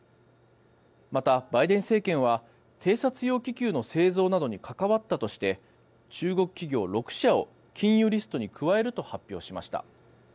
また、バイデン政権は偵察用気球の製造などに関わったとして中国企業６社を禁輸リストに加えると発表しました。